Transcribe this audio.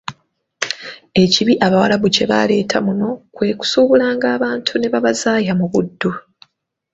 Ekibi Abawarabu kye baaleeta muno kwe kusuubulanga abantu ne babazaaya mu buddu.